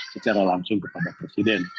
secara langsung kepada presiden